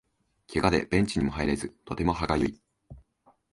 ケガでベンチにも入れずとても歯がゆい